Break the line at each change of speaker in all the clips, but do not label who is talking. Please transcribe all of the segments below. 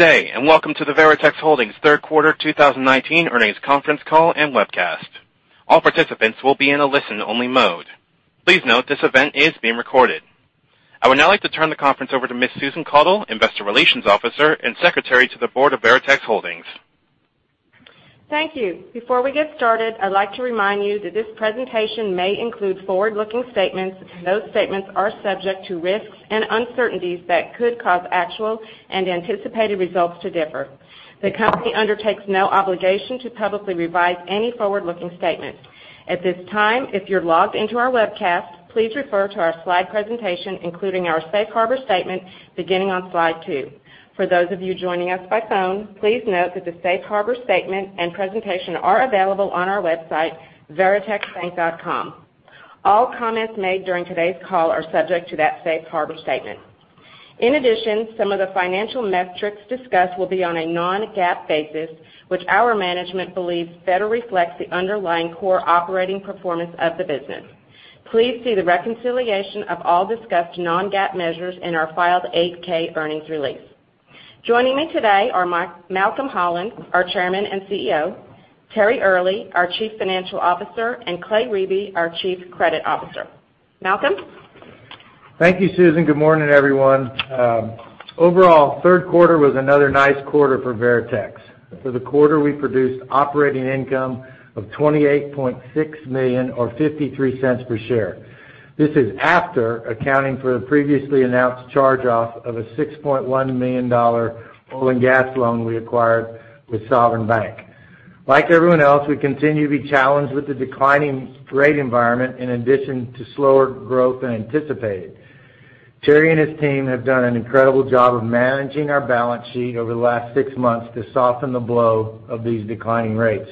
Good day, and welcome to the Veritex Holdings third quarter 2019 earnings conference call and webcast. All participants will be in a listen only mode. Please note this event is being recorded. I would now like to turn the conference over to Miss Susan Caudle, Investor Relations Officer and Secretary to the Board of Veritex Holdings.
Thank you. Before we get started, I'd like to remind you that this presentation may include forward-looking statements, and those statements are subject to risks and uncertainties that could cause actual and anticipated results to differ. The company undertakes no obligation to publicly revise any forward-looking statements. At this time, if you're logged into our webcast, please refer to our slide presentation, including our safe harbor statement, beginning on slide two. For those of you joining us by phone, please note that the safe harbor statement and presentation are available on our website, veritexbank.com. All comments made during today's call are subject to that safe harbor statement. In addition, some of the financial metrics discussed will be on a non-GAAP basis, which our management believes better reflects the underlying core operating performance of the business. Please see the reconciliation of all discussed non-GAAP measures in our filed 8-K earnings release. Joining me today are Malcolm Holland, our Chairman and CEO, Terry Earley, our Chief Financial Officer, and Clay Riebe, our Chief Credit Officer. Malcolm?
Thank you, Susan. Good morning, everyone. Overall, third quarter was another nice quarter for Veritex. For the quarter, we produced operating income of $28.6 million, or $0.53 per share. This is after accounting for the previously announced charge off of a $6.1 million oil and gas loan we acquired with Sovereign Bancshares. Like everyone else, we continue to be challenged with the declining rate environment in addition to slower growth than anticipated. Terry and his team have done an incredible job of managing our balance sheet over the last six months to soften the blow of these declining rates.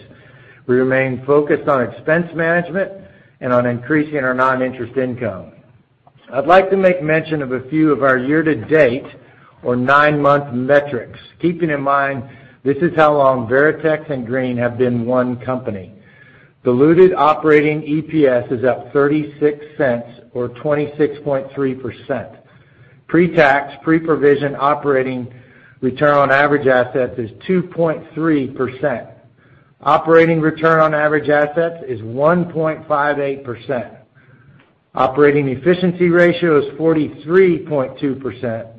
We remain focused on expense management and on increasing our non-interest income. I'd like to make mention of a few of our year to date, or nine-month metrics. Keeping in mind, this is how long Veritex and Green have been one company. Diluted operating EPS is up $0.36 or 26.3%. Pre-tax, pre-provision operating return on average assets is 2.3%. Operating return on average assets is 1.58%. Operating efficiency ratio is 43.2%,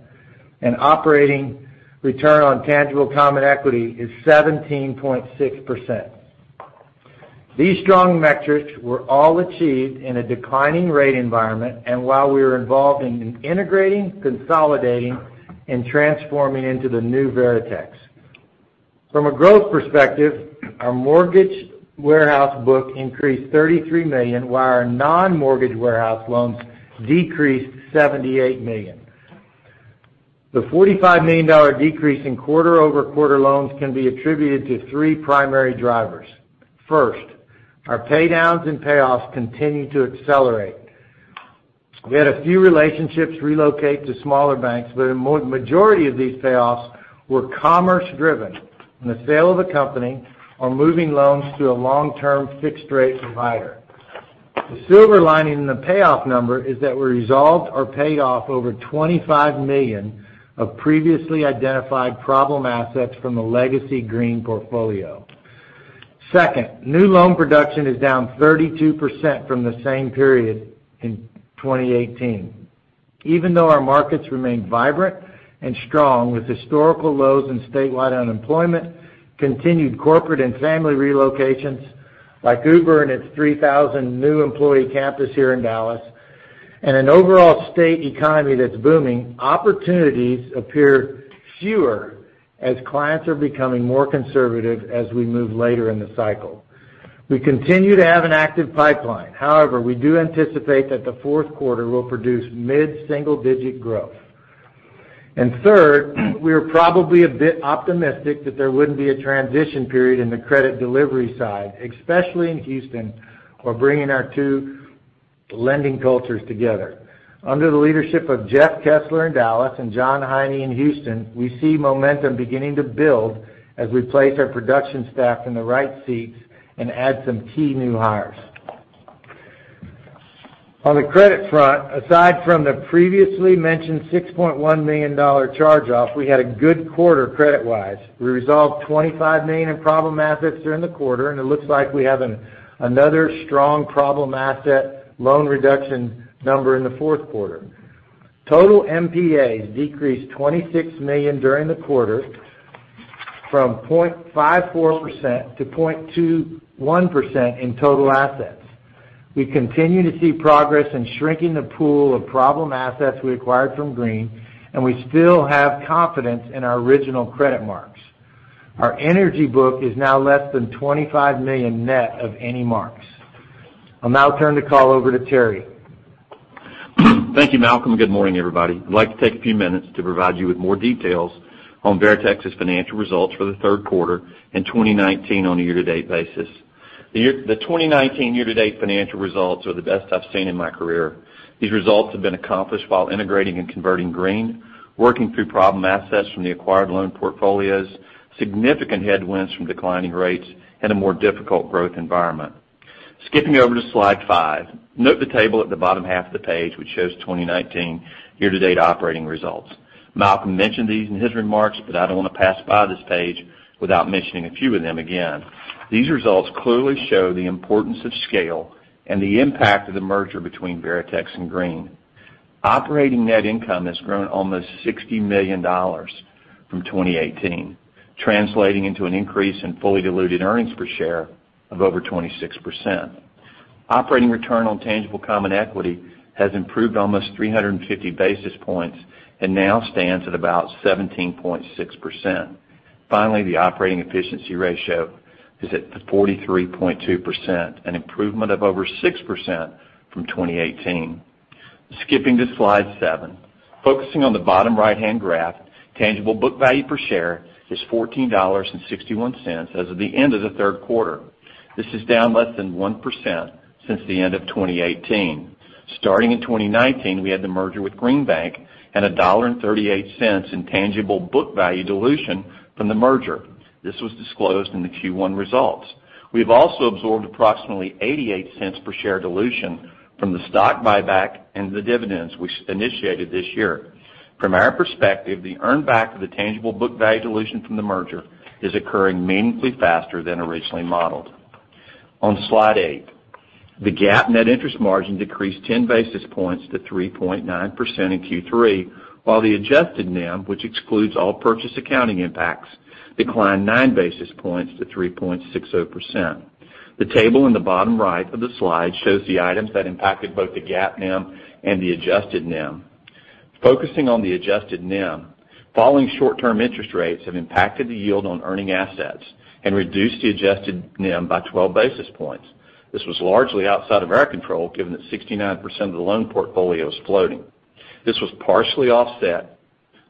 and operating return on tangible common equity is 17.6%. These strong metrics were all achieved in a declining rate environment and while we were involved in integrating, consolidating, and transforming into the new Veritex. From a growth perspective, our mortgage warehouse book increased $33 million, while our non-mortgage warehouse loans decreased $78 million. The $45 million decrease in quarter-over-quarter loans can be attributed to three primary drivers. First, our paydowns and payoffs continue to accelerate. We had a few relationships relocate to smaller banks, but a majority of these payoffs were commerce driven from the sale of the company or moving loans to a long-term fixed rate provider. The silver lining in the payoff number is that we resolved or paid off over $25 million of previously identified problem assets from the legacy Green portfolio. Second, new loan production is down 32% from the same period in 2018. Even though our markets remain vibrant and strong with historical lows in statewide unemployment, continued corporate and family relocations like Uber and its 3,000 new employee campus here in Dallas, and an overall state economy that's booming, opportunities appear fewer as clients are becoming more conservative as we move later in the cycle. We continue to have an active pipeline. However, we do anticipate that the fourth quarter will produce mid-single digit growth. Third, we are probably a bit optimistic that there wouldn't be a transition period in the credit delivery side, especially in Houston, while bringing our two lending cultures together. Under the leadership of Jeff Kesler in Dallas and Jon Heine in Houston, we see momentum beginning to build as we place our production staff in the right seats and add some key new hires. On the credit front, aside from the previously mentioned $6.1 million charge-off, we had a good quarter credit-wise. We resolved $25 million in problem assets during the quarter, and it looks like we have another strong problem asset loan reduction number in the fourth quarter. Total NPAs decreased $26 million during the quarter from 0.54% to 0.21% in total assets. We continue to see progress in shrinking the pool of problem assets we acquired from Green, and we still have confidence in our original credit marks. Our energy book is now less than $25 million net of any marks. I'll now turn the call over to Terry.
Thank you, Malcolm. Good morning, everybody. I'd like to take a few minutes to provide you with more details on Veritex's financial results for the third quarter in 2019 on a year-to-date basis. The 2019 year-to-date financial results are the best I've seen in my career. These results have been accomplished while integrating and converting Green, working through problem assets from the acquired loan portfolios, significant headwinds from declining rates, and a more difficult growth environment. Skipping over to slide five, note the table at the bottom half of the page, which shows 2019 year-to-date operating results. Malcolm mentioned these in his remarks. I don't want to pass by this page without mentioning a few of them again. These results clearly show the importance of scale and the impact of the merger between Veritex and Green. Operating net income has grown almost $60 million from 2018, translating into an increase in fully diluted earnings per share of over 26%. Operating return on tangible common equity has improved almost 350 basis points and now stands at about 17.6%. Finally, the operating efficiency ratio is at 43.2%, an improvement of over 6% from 2018. Skipping to slide seven, focusing on the bottom right-hand graph, tangible book value per share is $14.61 as of the end of the third quarter. This is down less than 1% since the end of 2018. Starting in 2019, we had the merger with Green Bank and $1.38 in tangible book value dilution from the merger. This was disclosed in the Q1 results. We've also absorbed approximately $0.88 per share dilution from the stock buyback and the dividends we initiated this year. From our perspective, the earn back of the tangible book value dilution from the merger is occurring meaningfully faster than originally modeled. On slide eight, the GAAP net interest margin decreased 10 basis points to 3.9% in Q3, while the adjusted NIM, which excludes all purchase accounting impacts, declined nine basis points to 3.60%. The table in the bottom right of the slide shows the items that impacted both the GAAP NIM and the adjusted NIM. Focusing on the adjusted NIM, falling short-term interest rates have impacted the yield on earning assets and reduced the adjusted NIM by 12 basis points. This was largely outside of our control, given that 69% of the loan portfolio is floating. This was partially offset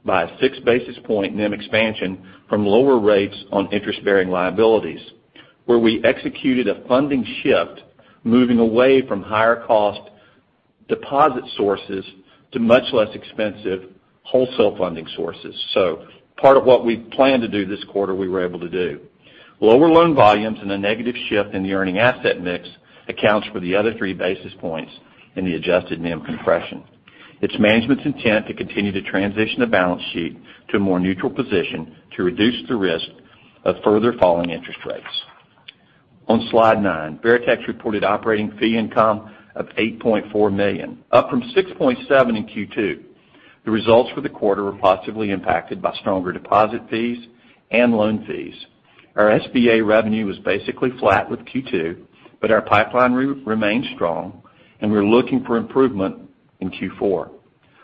by a 6 basis points NIM expansion from lower rates on interest-bearing liabilities, where we executed a funding shift, moving away from higher-cost deposit sources to much less expensive wholesale funding sources. Part of what we planned to do this quarter, we were able to do. Lower loan volumes and a negative shift in the earning asset mix accounts for the other 3 basis points in the adjusted NIM compression. It's management's intent to continue to transition the balance sheet to a more neutral position to reduce the risk of further falling interest rates. On slide nine, Veritex reported operating fee income of $8.4 million, up from $6.7 million in Q2. The results for the quarter were positively impacted by stronger deposit fees and loan fees. Our SBA revenue was basically flat with Q2, but our pipeline remains strong, and we're looking for improvement in Q4.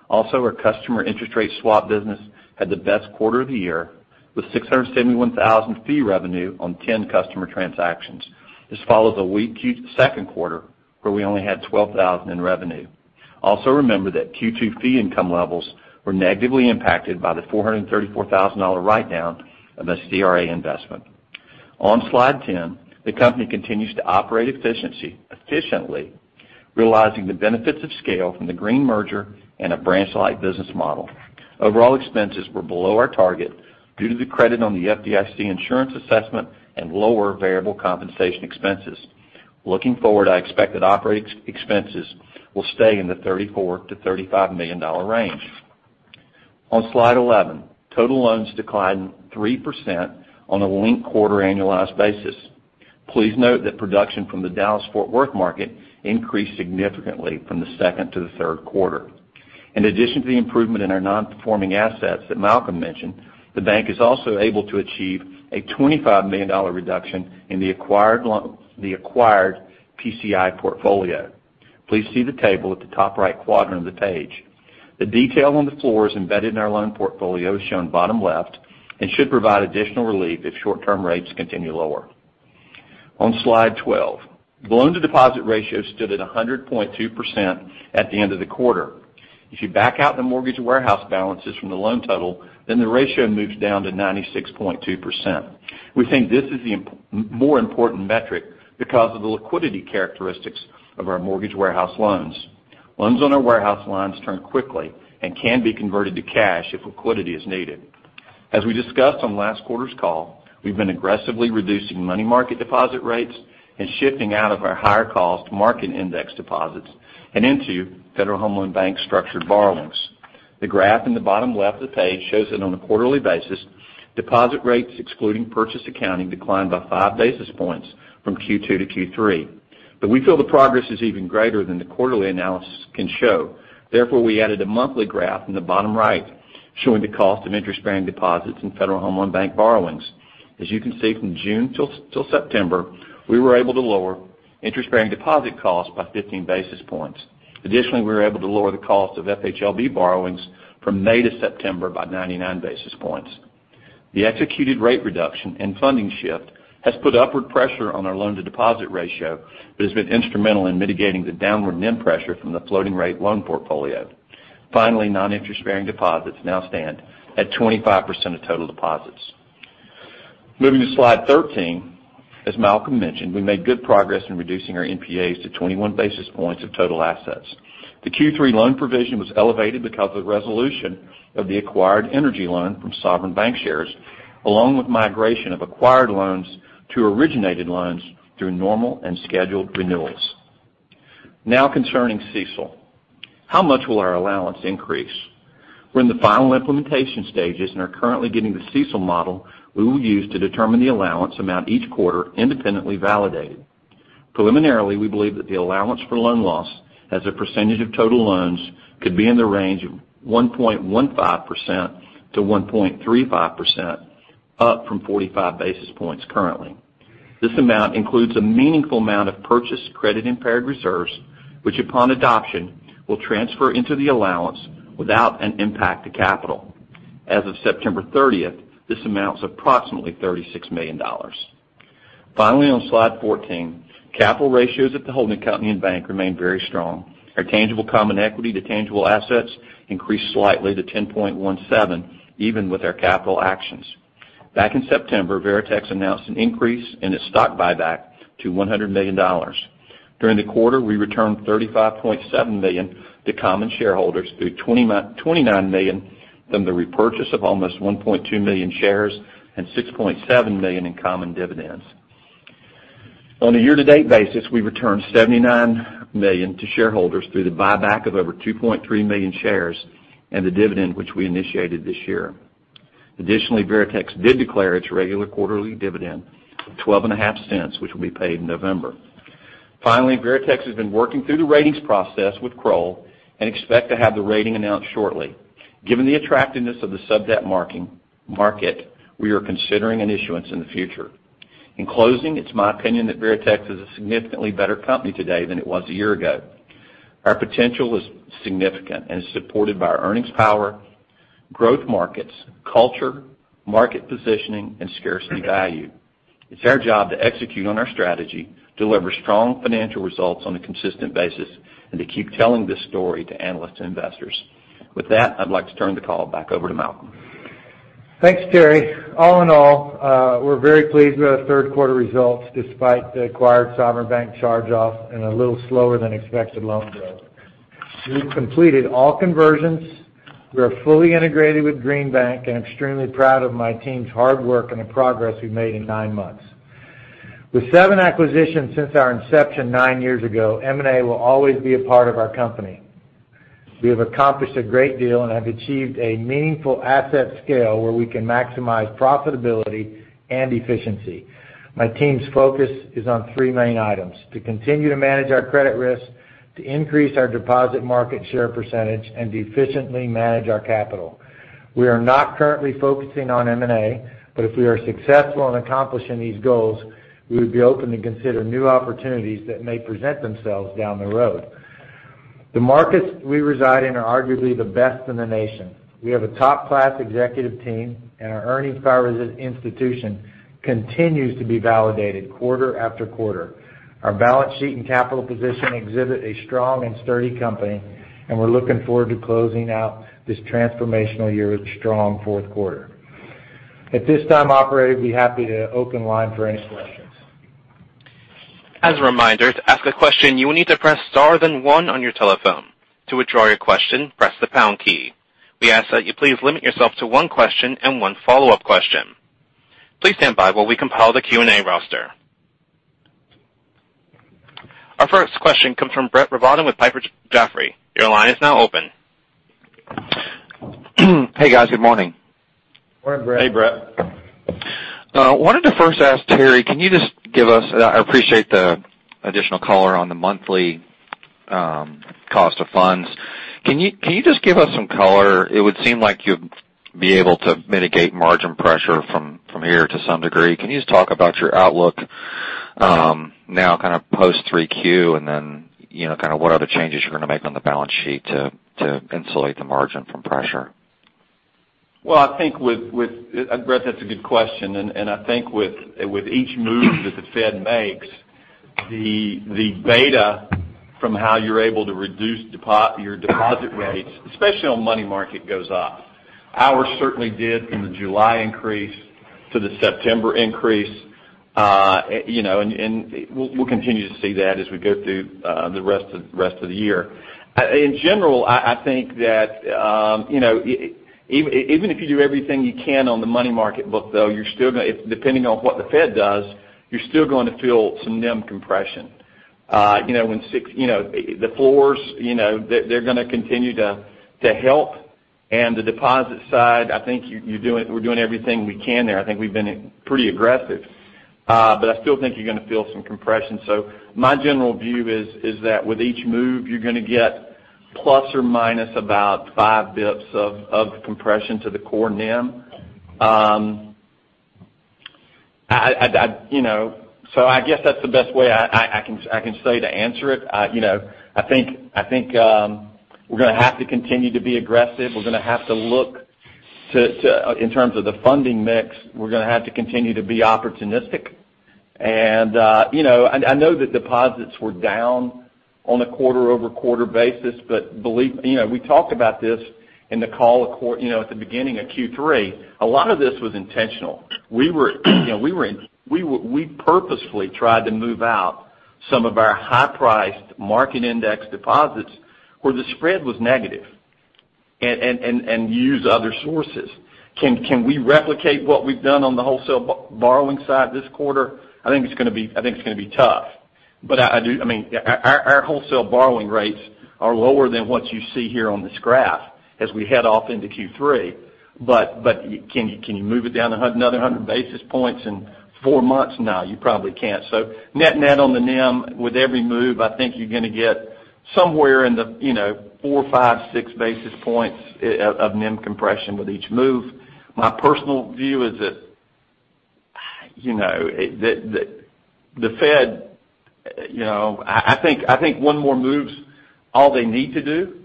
Our customer interest rate swap business had the best quarter of the year, with $671,000 fee revenue on 10 customer transactions. This follows a weak second quarter, where we only had $12,000 in revenue. Remember that Q2 fee income levels were negatively impacted by the $434,000 write-down of the CRA investment. On Slide 10, the company continues to operate efficiently, realizing the benefits of scale from the Green merger and a branch-light business model. Overall expenses were below our target due to the credit on the FDIC insurance assessment and lower variable compensation expenses. Looking forward, I expect that operating expenses will stay in the $34 million-$35 million range. On Slide 11, total loans declined 3% on a linked-quarter annualized basis. Please note that production from the Dallas-Fort Worth market increased significantly from the second to the third quarter. In addition to the improvement in our non-performing assets that Malcolm mentioned, the bank is also able to achieve a $25 million reduction in the acquired PCI portfolio. Please see the table at the top right quadrant of the page. The detail on the floors embedded in our loan portfolio is shown bottom left and should provide additional relief if short-term rates continue lower. On slide 12, the loan-to-deposit ratio stood at 100.2% at the end of the quarter. If you back out the mortgage warehouse balances from the loan total, then the ratio moves down to 96.2%. We think this is the more important metric because of the liquidity characteristics of our mortgage warehouse loans. Loans on our warehouse lines turn quickly and can be converted to cash if liquidity is needed. As we discussed on last quarter's call, we've been aggressively reducing money market deposit rates and shifting out of our higher-cost market index deposits and into Federal Home Loan Bank structured borrowings. The graph in the bottom left of the page shows that on a quarterly basis, deposit rates, excluding purchase accounting, declined by five basis points from Q2 to Q3. We feel the progress is even greater than the quarterly analysis can show. Therefore, we added a monthly graph in the bottom right, showing the cost of interest-bearing deposits in Federal Home Loan Bank borrowings. As you can see, from June till September, we were able to lower interest-bearing deposit costs by 15 basis points. Additionally, we were able to lower the cost of FHLB borrowings from May to September by 99 basis points. The executed rate reduction and funding shift has put upward pressure on our loan-to-deposit ratio but has been instrumental in mitigating the downward NIM pressure from the floating-rate loan portfolio. Non-interest-bearing deposits now stand at 25% of total deposits. Moving to slide 13, as Malcolm mentioned, we made good progress in reducing our NPAs to 21 basis points of total assets. The Q3 loan provision was elevated because of resolution of the acquired energy loan from Sovereign Bancshares, along with migration of acquired loans to originated loans through normal and scheduled renewals. Concerning CECL. How much will our allowance increase? We're in the final implementation stages and are currently getting the CECL model we will use to determine the allowance amount each quarter independently validated. Preliminarily, we believe that the allowance for loan loss as a percentage of total loans could be in the range of 1.15%-1.35%, up from 45 basis points currently. This amount includes a meaningful amount of Purchased Credit-Impaired reserves, which upon adoption, will transfer into the allowance without an impact to capital. As of September 30th, this amount is approximately $36 million. Finally, on slide 14, capital ratios at the holding company and bank remain very strong. Our tangible common equity to tangible assets increased slightly to 10.17, even with our capital actions. Back in September, Veritex announced an increase in its stock buyback to $100 million. During the quarter, we returned $35.7 million to common shareholders through $29 million from the repurchase of almost 1.2 million shares and $6.7 million in common dividends. On a year-to-date basis, we returned $79 million to shareholders through the buyback of over 2.3 million shares and the dividend which we initiated this year. Additionally, Veritex did declare its regular quarterly dividend of $0.125, which will be paid in November. Finally, Veritex has been working through the ratings process with Kroll and expect to have the rating announced shortly. Given the attractiveness of the sub-debt market, we are considering an issuance in the future. In closing, it's my opinion that Veritex is a significantly better company today than it was a year ago. Our potential is significant and is supported by our earnings power, growth markets, culture, market positioning, and scarcity value. It's our job to execute on our strategy, deliver strong financial results on a consistent basis, and to keep telling this story to analysts and investors. With that, I'd like to turn the call back over to Malcolm.
Thanks, Terry. All in all, we're very pleased with our third-quarter results, despite the acquired Sovereign Bank charge-off and a little slower than expected loan growth. We've completed all conversions. We are fully integrated with Green Bank and extremely proud of my team's hard work and the progress we've made in nine months. With seven acquisitions since our inception nine years ago, M&A will always be a part of our company. We have accomplished a great deal and have achieved a meaningful asset scale where we can maximize profitability and efficiency. My team's focus is on three main items, to continue to manage our credit risk, to increase our deposit market share percentage, and to efficiently manage our capital. If we are successful in accomplishing these goals, we would be open to consider new opportunities that may present themselves down the road. The markets we reside in are arguably the best in the nation. We have a top-class executive team, and our earnings power institution continues to be validated quarter after quarter. Our balance sheet and capital position exhibit a strong and sturdy company, and we're looking forward to closing out this transformational year with a strong fourth quarter. At this time, operator, we're happy to open lines for any questions.
As a reminder, to ask a question, you will need to press star then one on your telephone. To withdraw your question, press the pound key. We ask that you please limit yourself to one question and one follow-up question. Please stand by while we compile the Q&A roster. Our first question comes from Brett Rabatin with Piper Jaffray. Your line is now open.
Hey, guys. Good morning.
Morning, Brett.
Hey, Brett.
I wanted to first ask Terry, I appreciate the additional color on the monthly cost of funds. Can you just give us some color? It would seem like you'd be able to mitigate margin pressure from here to some degree. Can you just talk about your outlook now kind of post 3Q, and then, kind of what are the changes you're going to make on the balance sheet to insulate the margin from pressure?
Well, Brett, that's a good question. I think with each move that the Fed makes, the beta from how you're able to reduce your deposit rates, especially on money market, goes up. Ours certainly did from the July increase to the September increase. We'll continue to see that as we go through the rest of the year. In general, I think that even if you do everything you can on the money market book, though, depending on what the Fed does, you're still going to feel some NIM compression. The floors, they're going to continue to help, and the deposit side, I think we're doing everything we can there. I think we've been pretty aggressive. I still think you're going to feel some compression. My general view is that with each move, you're going to get plus or minus about 5 basis points of compression to the core NIM. I guess that's the best way I can say to answer it. I think we're going to have to continue to be aggressive. We're going to have to look, in terms of the funding mix, we're going to have to continue to be opportunistic. I know that deposits were down on a quarter-over-quarter basis, but we talked about this in the call, at the beginning of Q3, a lot of this was intentional. We purposefully tried to move out some of our high-priced market index deposits where the spread was negative, and use other sources. Can we replicate what we've done on the wholesale borrowing side this quarter? I think it's going to be tough. Our wholesale borrowing rates are lower than what you see here on this graph as we head off into Q3. Can you move it down another 100 basis points in four months? No, you probably can't. Net on the NIM, with every move, I think you're going to get somewhere in the 4, 5, 6 basis points of NIM compression with each move. My personal view is that the Fed, I think one more move's all they need to do,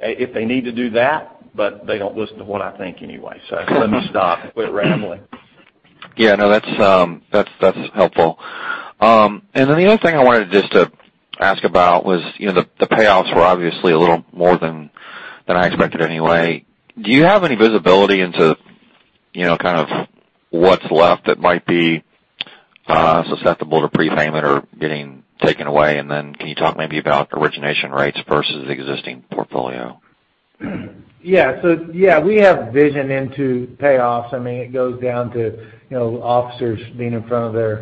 if they need to do that, but they don't listen to what I think anyway. Let me stop rambling.
Yeah. No, that's helpful. The other thing I wanted just to ask about was the payoffs were obviously a little more than I expected anyway. Do you have any visibility into kind of what's left that might be susceptible to prepayment or getting taken away? Can you talk maybe about origination rates versus existing portfolio?
Yeah. We have vision into payoffs. It goes down to officers being in front of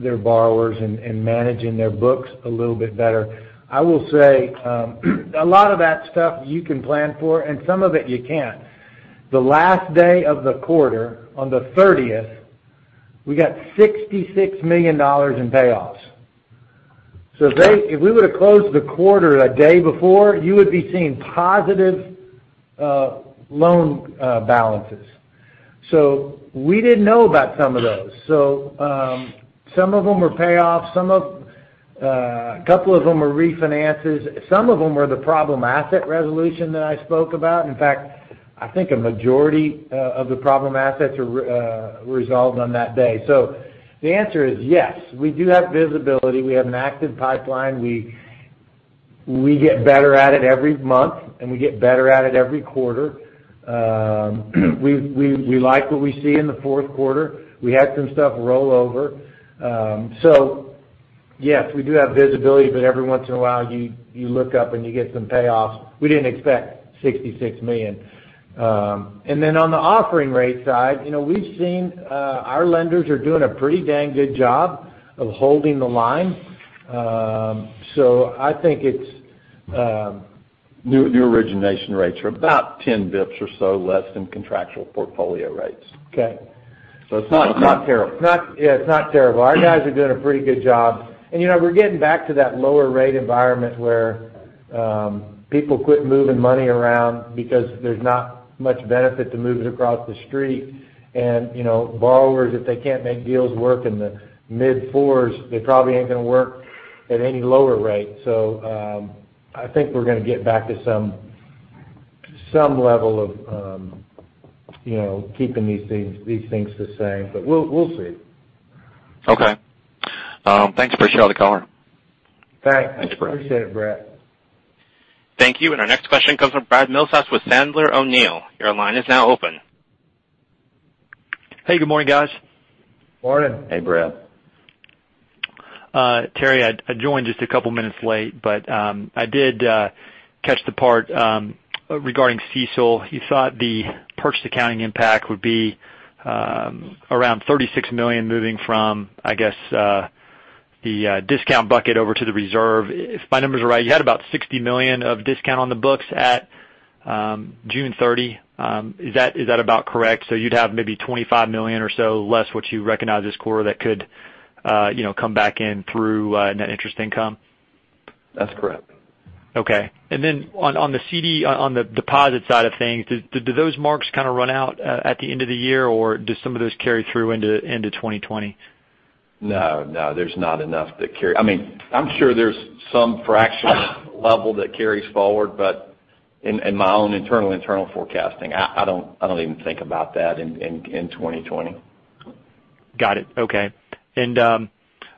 their borrowers and managing their books a little bit better. I will say, a lot of that stuff you can plan for, and some of it you can't. The last day of the quarter, on the 30th, we got $66 million in payoffs. If we would've closed the quarter a day before, you would be seeing positive loan balances. We didn't know about some of those. Some of them were payoffs, a couple of them were refinances. Some of them were the problem asset resolution that I spoke about. In fact, I think a majority of the problem assets were resolved on that day. The answer is, yes. We do have visibility. We have an active pipeline. We get better at it every month, and we get better at it every quarter. We like what we see in the fourth quarter. We had some stuff roll over. Yes, we do have visibility, but every once in a while, you look up and you get some payoffs. We didn't expect $66 million. Then on the offering rate side, we've seen our lenders are doing a pretty dang good job of holding the line. I think it's-
New origination rates are about 10 basis points or so less than contractual portfolio rates.
Okay.
It's not terrible.
Yeah, it's not terrible. Our guys are doing a pretty good job. We're getting back to that lower rate environment where people quit moving money around because there's not much benefit to move it across the street. Borrowers, if they can't make deals work in the mid-4s, they probably ain't going to work at any lower rate. I think we're going to get back to some level of keeping these things the same. We'll see.
Okay. Thanks. Appreciate the call.
Thanks.
Thanks, Brett.
Appreciate it, Brett.
Thank you. Our next question comes from Brad Milsaps with Sandler O'Neill. Your line is now open.
Hey, good morning, guys.
Morning.
Hey, Brad.
Terry, I joined just a couple of minutes late, but I did catch the part, regarding CECL. You thought the purchase accounting impact would be around $36 million moving from, I guess, the discount bucket over to the reserve. If my numbers are right, you had about $60 million of discount on the books at June 30. Is that about correct? You'd have maybe $25 million or so less what you recognized this quarter that could come back in through net interest income?
That's correct.
Okay. On the CD, on the deposit side of things, do those marks kind of run out at the end of the year, or do some of those carry through into 2020?
No. I'm sure there's some fraction level that carries forward, but in my own internal forecasting, I don't even think about that in 2020.
Got it. Okay.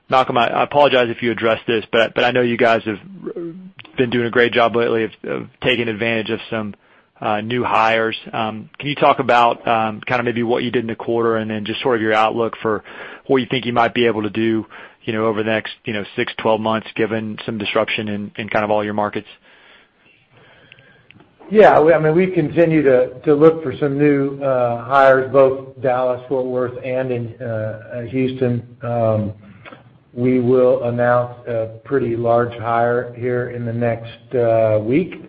Malcolm, I apologize if you addressed this, but I know you guys have been doing a great job lately of taking advantage of some new hires. Can you talk about kind of maybe what you did in the quarter and then just sort of your outlook for what you think you might be able to do over the next 6, 12 months, given some disruption in kind of all your markets?
Yeah. We continue to look for some new hires, both Dallas, Fort Worth, and in Houston. We will announce a pretty large hire here in the next week,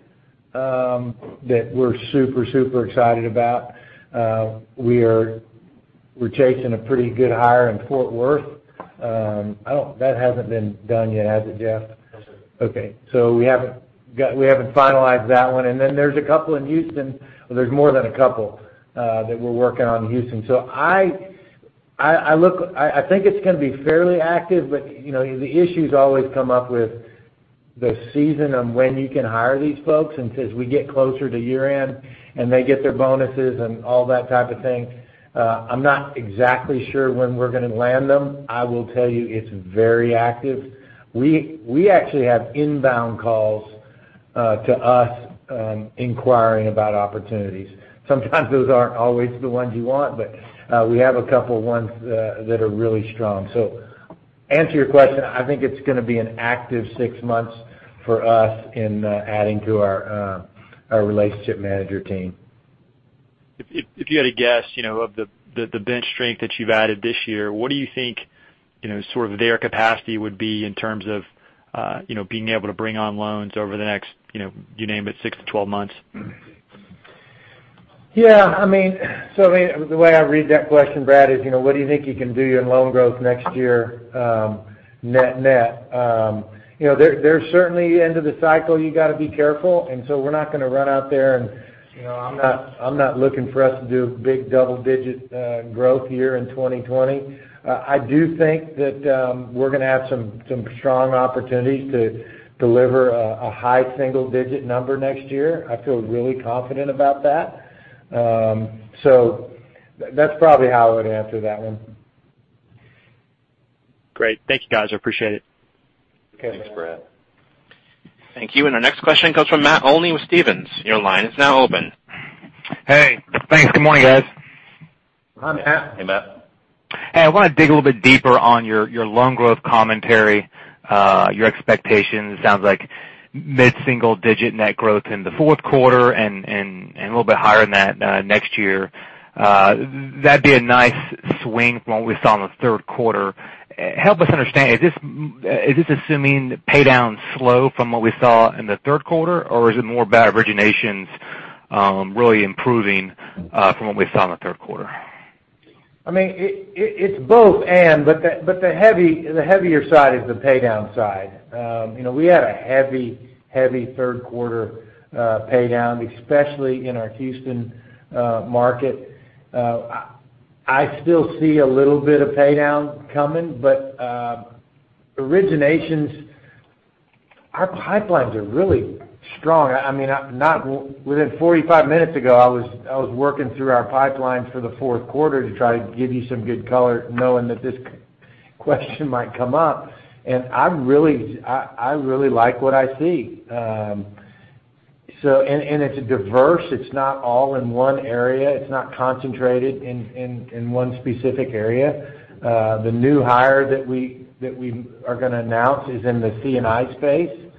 that we're super excited about. We're chasing a pretty good hire in Fort Worth. That hasn't been done yet, has it, Jeff?
No, sir.
Okay. We haven't finalized that one. There's a couple in Houston. Well, there's more than a couple that we're working on in Houston. I think it's going to be fairly active, but the issues always come up with the season on when you can hire these folks. As we get closer to year-end and they get their bonuses and all that type of thing, I'm not exactly sure when we're going to land them. I will tell you it's very active. We actually have inbound calls to us inquiring about opportunities. Sometimes those aren't always the ones you want, but we have a couple ones that are really strong. To answer your question, I think it's going to be an active six months for us in adding to our relationship manager team.
If you had to guess, of the bench strength that you've added this year, what do you think, sort of their capacity would be in terms of being able to bring on loans over the next, you name it, six to 12 months?
Yeah. The way I read that question, Brad, is what do you think you can do in loan growth next year, net-net? There's certainly end of the cycle, you got to be careful, and so we're not going to run out there and I'm not looking for us to do big double-digit growth year in 2020. I do think that we're going to have some strong opportunities to deliver a high single digit number next year. I feel really confident about that. That's probably how I would answer that one.
Great. Thank you guys, I appreciate it.
Okay.
Thanks, Brad.
Thank you. Our next question comes from Matt Olney with Stephens. Your line is now open.
Hey, thanks. Good morning, guys.
Good morning, Matt.
Hey, Matt.
Hey, I want to dig a little bit deeper on your loan growth commentary, your expectations. It sounds like mid-single digit net growth in the fourth quarter and a little bit higher than that next year. That'd be a nice swing from what we saw in the third quarter. Help us understand, is this assuming pay-down slow from what we saw in the third quarter, or is it more about originations really improving from what we saw in the third quarter?
It's both and, the heavier side is the pay-down side. We had a heavy third quarter pay-down, especially in our Houston market. I still see a little bit of pay-down coming, but originations, our pipelines are really strong. Within 45 minutes ago, I was working through our pipeline for the fourth quarter to try to give you some good color knowing that this question might come up. I really like what I see. It's diverse. It's not all in one area. It's not concentrated in one specific area. The new hire that we are going to announce is in the C&I space.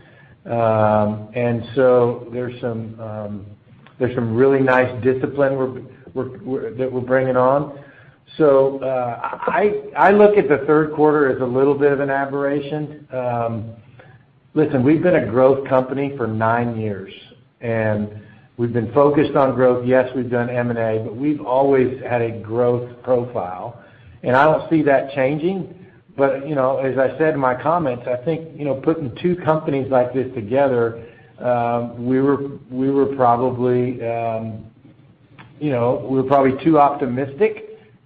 There's some really nice discipline that we're bringing on. I look at the third quarter as a little bit of an aberration. Listen, we've been a growth company for nine years, and we've been focused on growth. Yes, we've done M&A, we've always had a growth profile, and I don't see that changing. As I said in my comments, I think putting two companies like this together, we were probably too optimistic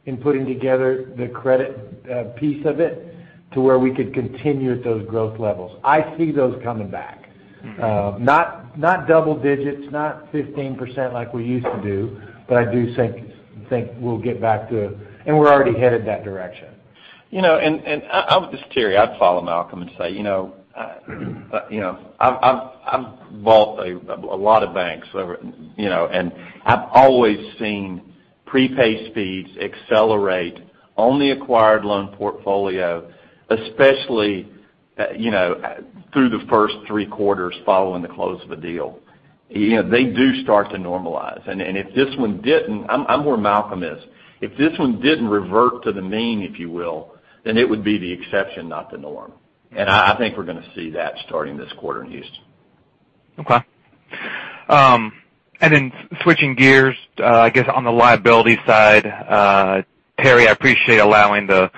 in putting together the credit piece of it to where we could continue at those growth levels. I see those coming back. Not double digits, not 15% like we used to do, I do think we'll get back to it, and we're already headed that direction.
This is Terry. I'd follow Malcolm and say, I've bought a lot of banks over. I've always seen prepaid speeds accelerate on the acquired loan portfolio, especially through the first three quarters following the close of a deal. They do start to normalize. If this one didn't, I'm where Malcolm is. If this one didn't revert to the mean, if you will, it would be the exception, not the norm. I think we're going to see that starting this quarter in Houston.
Okay. Switching gears, I guess, on the liability side. Terry, I appreciate allowing the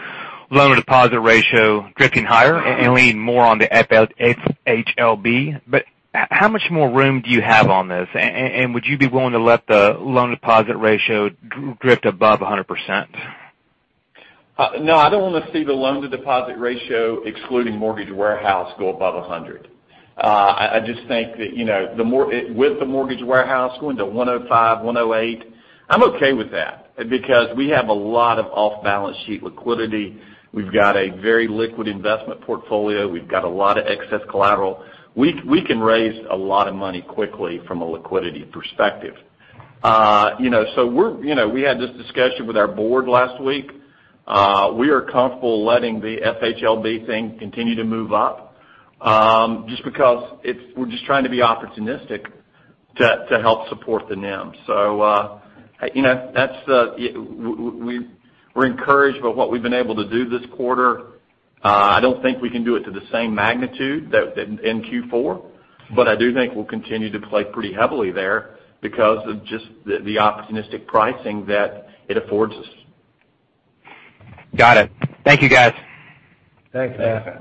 loan-to-deposit ratio drifting higher and lean more on the FHLB. How much more room do you have on this? Would you be willing to let the loan-to-deposit ratio drift above 100%?
I don't want to see the loan-to-deposit ratio excluding Mortgage Warehouse go above 100. I just think that with the Mortgage Warehouse going to 105, 108, I'm okay with that because we have a lot of off-balance sheet liquidity. We've got a very liquid investment portfolio. We've got a lot of excess collateral. We can raise a lot of money quickly from a liquidity perspective. We had this discussion with our board last week. We are comfortable letting the FHLB thing continue to move up, just because we're just trying to be opportunistic to help support the NIM. We're encouraged by what we've been able to do this quarter. I don't think we can do it to the same magnitude in Q4, but I do think we'll continue to play pretty heavily there because of just the opportunistic pricing that it affords us.
Got it. Thank you, guys.
Thanks, Matt.
Okay.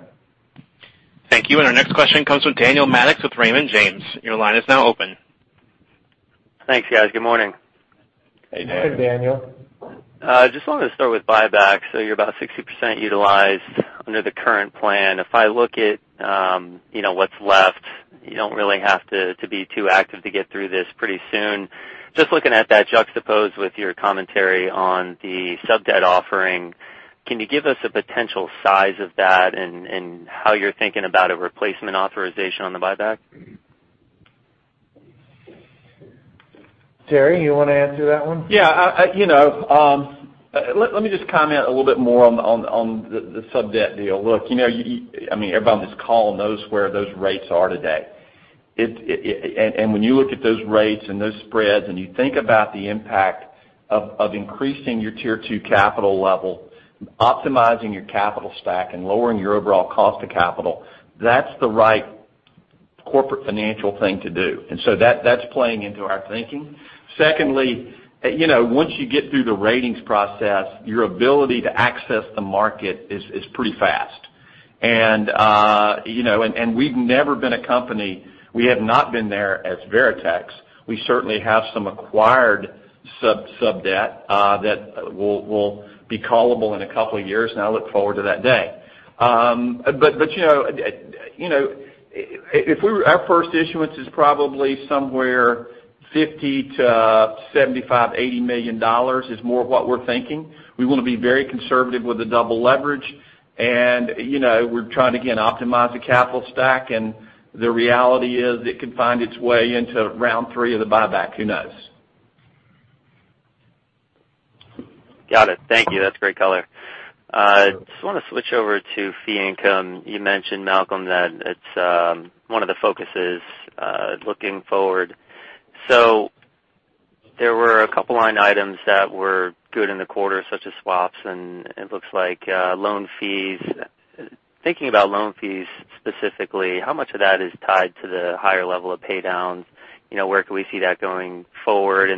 Thank you. Our next question comes from Daniel Mannix with Raymond James. Your line is now open.
Thanks, guys. Good morning.
Hey, Daniel.
Hey, Daniel.
Just wanted to start with buybacks. You're about 60% utilized under the current plan. If I look at what's left, you don't really have to be too active to get through this pretty soon. Just looking at that juxtaposed with your commentary on the sub-debt offering. Can you give us a potential size of that and how you're thinking about a replacement authorization on the buyback?
Terry, you want to answer that one?
Yeah. Let me just comment a little bit more on the sub-debt deal. Look, everybody on this call knows where those rates are today. When you look at those rates and those spreads and you think about the impact of increasing your Tier 2 capital level, optimizing your capital stack, and lowering your overall cost of capital, that's the right corporate financial thing to do. So that's playing into our thinking. Secondly, once you get through the ratings process, your ability to access the market is pretty fast. We've never been a company, we have not been there as Veritex. We certainly have some acquired sub-debt that will be callable in a couple of years, and I look forward to that day. If our first issuance is probably somewhere $50 million-$75 million, $80 million, is more what we're thinking. We want to be very conservative with the double leverage. We're trying to, again, optimize the capital stack, and the reality is it could find its way into round 3 of the buyback. Who knows?
Got it. Thank you. That's great color. Just want to switch over to fee income. You mentioned, Malcolm, that it's one of the focuses, looking forward. There were a couple line items that were good in the quarter, such as swaps and it looks like loan fees. Thinking about loan fees specifically, how much of that is tied to the higher level of pay downs? Where could we see that going forward?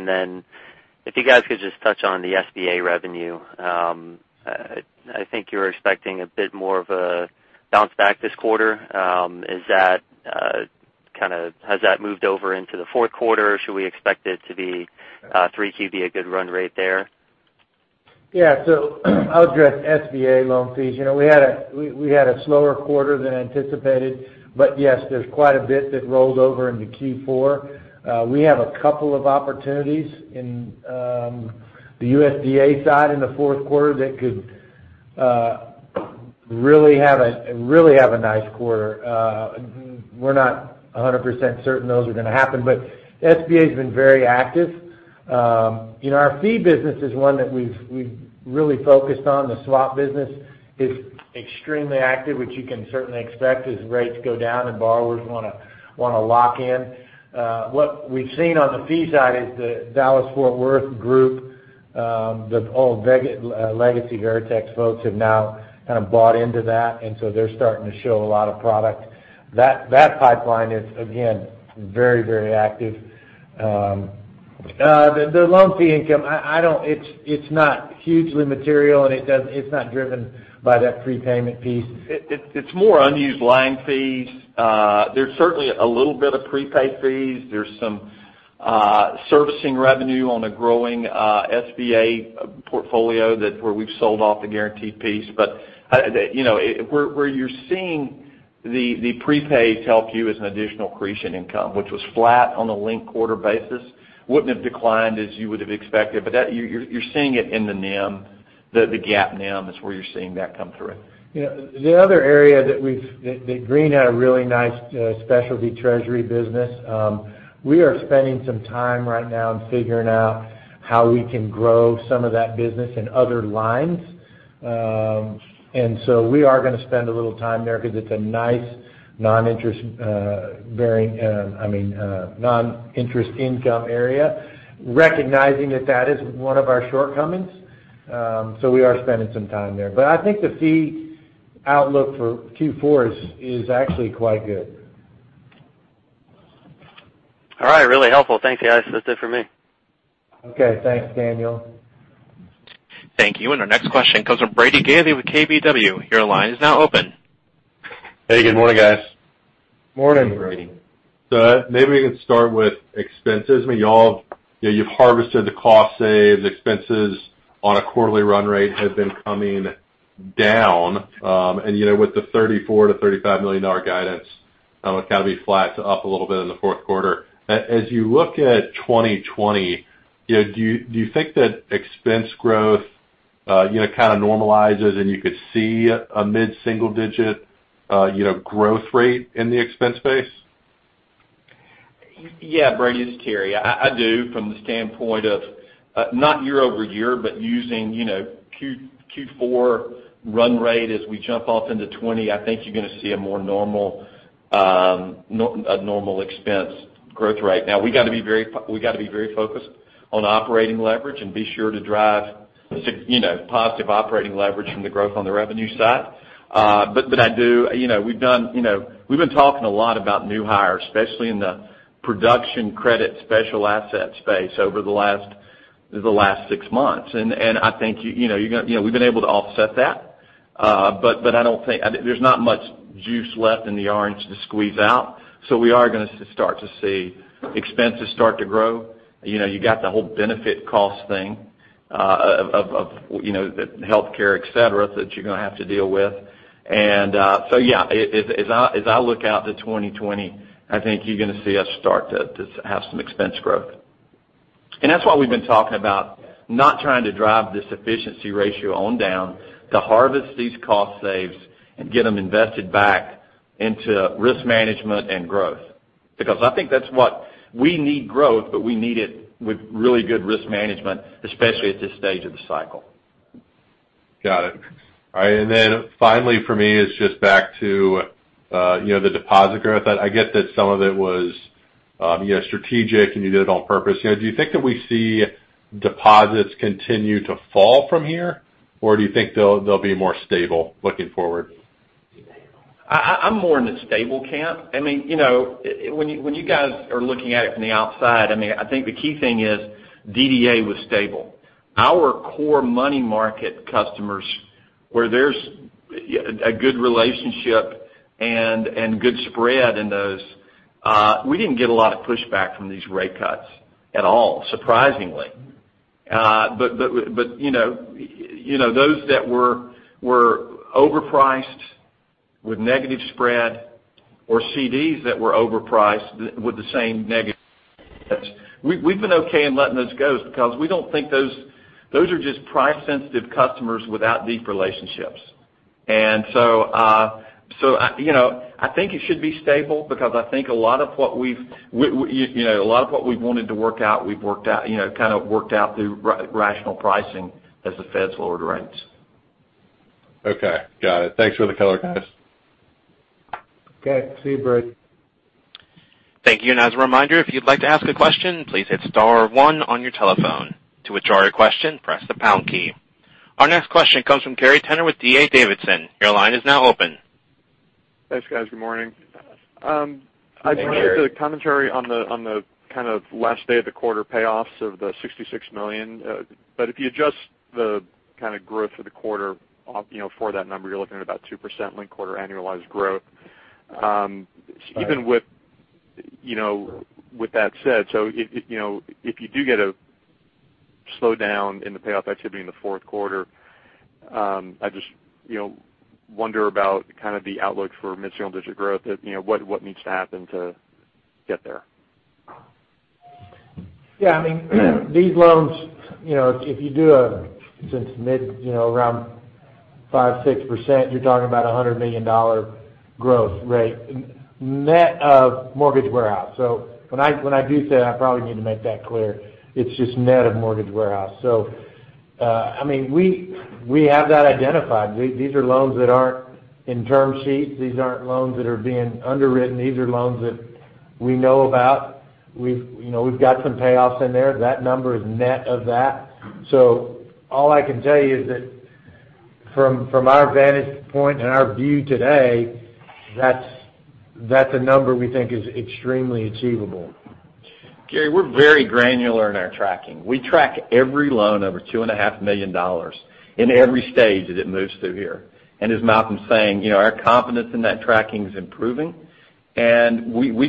If you guys could just touch on the SBA revenue. I think you're expecting a bit more of a bounce back this quarter. Has that moved over into the fourth quarter, or should we expect it to be, 3Q be a good run rate there?
Yeah. I'll address SBA loan fees. We had a slower quarter than anticipated, but yes, there's quite a bit that rolled over into Q4. We have a couple of opportunities in the USDA side in the fourth quarter that could really have a nice quarter. We're not 100% certain those are going to happen, but SBA's been very active. Our fee business is one that we've really focused on. The swap business is extremely active, which you can certainly expect as rates go down and borrowers want to lock in. What we've seen on the fee side is the Dallas-Fort Worth group, the old legacy Veritex folks, have now kind of bought into that, and so they're starting to show a lot of product. That pipeline is, again, very active. The loan fee income, it's not hugely material, and it's not driven by that prepayment piece.
It's more unused line fees. There's certainly a little bit of prepaid fees. There's some servicing revenue on a growing SBA portfolio where we've sold off the guaranteed piece. Where you're seeing the prepaid help you as an additional accretion income, which was flat on a linked quarter basis. Wouldn't have declined as you would've expected, but you're seeing it in the NIM. The GAAP NIM is where you're seeing that come through.
The other area that Green had a really nice specialty treasury business. We are spending some time right now in figuring out how we can grow some of that business in other lines. We are going to spend a little time there because it's a nice non-interest income area, recognizing that that is one of our shortcomings. We are spending some time there. I think the fee outlook for Q4 is actually quite good.
All right. Really helpful. Thank you, guys. That's it for me.
Okay. Thanks, Daniel.
Thank you. Our next question comes from Brady Gailey with KBW. Your line is now open.
Hey, good morning, guys.
Morning, Brady.
Maybe we can start with expenses. You've harvested the cost saves. Expenses on a quarterly run rate have been coming down. With the $34 million-$35 million guidance, it's got to be flat to up a little bit in the fourth quarter. As you look at 2020, do you think that expense growth kind of normalizes and you could see a mid-single digit growth rate in the expense base?
Yeah, Brady, this is Terry. I do from the standpoint of, not year-over-year, but using Q4 run rate as we jump off into 2020, I think you're going to see a more normal expense growth rate. Now, we got to be very focused on operating leverage and be sure to drive positive operating leverage from the growth on the revenue side. We've been talking a lot about new hires, especially in the production credit special asset space over the last six months. I think we've been able to offset that. There's not much juice left in the orange to squeeze out. We are going to start to see expenses start to grow. You got the whole benefit cost thing of healthcare, et cetera, that you're going to have to deal with. Yeah, as I look out to 2020, I think you're going to see us start to have some expense growth. That's why we've been talking about not trying to drive this efficiency ratio on down to harvest these cost saves and get them invested back into risk management and growth. I think that's what we need. We need growth, but we need it with really good risk management, especially at this stage of the cycle.
Got it. All right, finally for me, it's just back to the deposit growth. I get that some of it was strategic, and you did it on purpose. Do you think that we see deposits continue to fall from here, or do you think they'll be more stable looking forward?
I'm more in the stable camp. You guys are looking at it from the outside, I think the key thing is DDA was stable. Our core money market customers, where there's a good relationship and good spread in those, we didn't get a lot of pushback from these rate cuts at all, surprisingly. Those that were overpriced with negative spread or CDs that were overpriced with the same negative spread, we've been okay in letting those go because we don't think those are just price-sensitive customers without deep relationships. I think it should be stable because I think a lot of what we've wanted to work out, we've kind of worked out through rational pricing as the Feds lowered rates.
Okay, got it. Thanks for the color, guys.
Okay. See you, Brady.
Thank you. As a reminder, if you'd like to ask a question, please hit star one on your telephone. To withdraw your question, press the pound key. Our next question comes from Gary Tenner with D.A. Davidson. Your line is now open.
Thanks, guys. Good morning.
Hey, Gary.
I'd like to get the commentary on the kind of last day of the quarter payoffs of the $66 million. If you adjust the kind of growth for the quarter for that number, you're looking at about 2% linked quarter annualized growth.
Right.
Even with that said, if you do get a slowdown in the payoff activity in the fourth quarter, I just wonder about kind of the outlook for mid-single-digit growth. What needs to happen to get there?
Yeah, these loans, if you do since mid around 5%, 6%, you're talking about $100 million growth rate net of mortgage warehouse. When I do say that, I probably need to make that clear. It's just net of mortgage warehouse. We have that identified. These are loans that aren't in term sheets. These aren't loans that are being underwritten. These are loans that we know about. We've got some payoffs in there. That number is net of that. All I can tell you is that from our vantage point and our view today, that's a number we think is extremely achievable.
Gary, we're very granular in our tracking. We track every loan over two and a half million dollars in every stage that it moves through here. As Malcolm's saying, our confidence in that tracking is improving. We've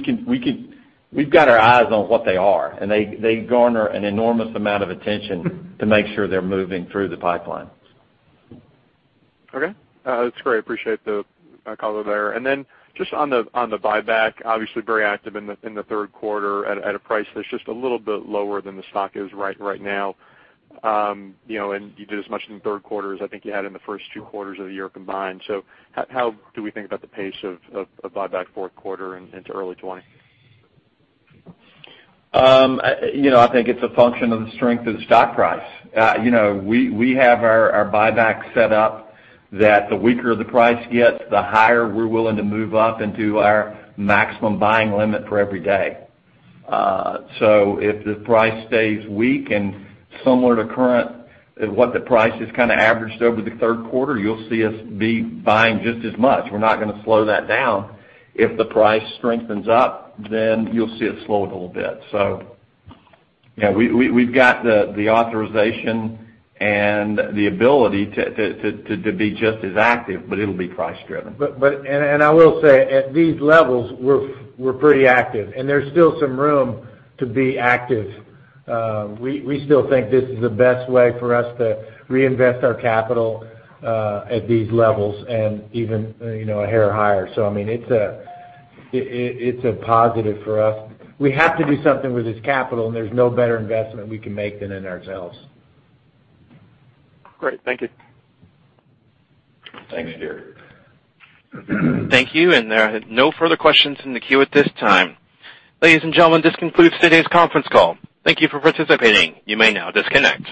got our eyes on what they are, and they garner an enormous amount of attention to make sure they're moving through the pipeline.
Okay. That's great. Appreciate the color there. Then just on the buyback, obviously very active in the third quarter at a price that's just a little bit lower than the stock is right now. You did as much in the third quarter as I think you had in the first two quarters of the year combined. How do we think about the pace of buyback fourth quarter into early 2020?
I think it's a function of the strength of the stock price. We have our buyback set up that the weaker the price gets, the higher we're willing to move up into our maximum buying limit for every day. If the price stays weak and similar to current, what the price has kind of averaged over the third quarter, you'll see us be buying just as much. We're not going to slow that down. If the price strengthens up, then you'll see us slow it a little bit. Yeah, we've got the authorization and the ability to be just as active, but it'll be price-driven.
I will say, at these levels, we're pretty active, and there's still some room to be active. We still think this is the best way for us to reinvest our capital, at these levels and even a hair higher. It's a positive for us. We have to do something with this capital, and there's no better investment we can make than in ourselves.
Great. Thank you.
Thanks, Gary.
Thank you. There are no further questions in the queue at this time. Ladies and gentlemen, this concludes today's conference call. Thank you for participating. You may now disconnect.